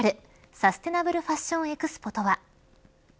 サステナブルファッションＥＸＰＯとは。